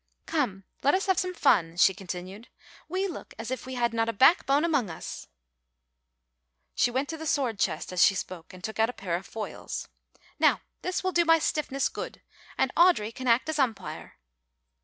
"Come, let us have some fun," she continued; "we look as if we had not a backbone among us." She went to the sword chest as she spoke and took out a pair of foils. "Now, this will do my stiffness good, and Audry can act as umpire."